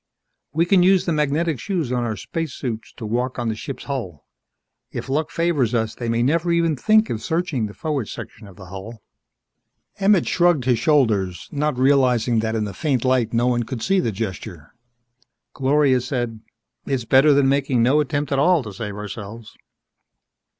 _" "We can use the magnetic shoes on our spacesuits to walk on the ship's hull. If luck favors us they may never even think of searching the forward section of the hull." Emmett shrugged his shoulders, not realizing that in the faint light no one could see the gesture. Gloria said, "It's better than making no attempt at all to save ourselves."